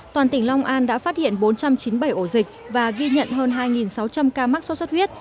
toàn tỉnh long an đã phát hiện bốn trăm chín mươi bảy ổ dịch và ghi nhận hơn hai sáu trăm linh ca mắc sốt xuất huyết